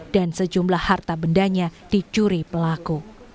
dan sejumlah harta bendanya dicuri pelaku